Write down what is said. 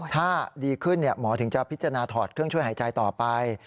ถ้าดีขึ้นหมอถึงจะพิจารณาถอดเครื่องช่วยหายใจต่อไป